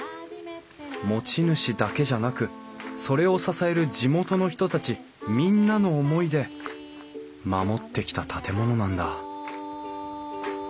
持ち主だけじゃなくそれを支える地元の人たちみんなの思いで守ってきた建物なんだ